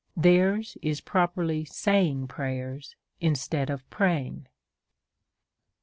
Theirs is properly saying prayers, instead of praying.